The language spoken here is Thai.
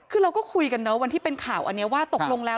คือเราก็คุยกันเนอะวันที่เป็นข่าวอันนี้ว่าตกลงแล้ว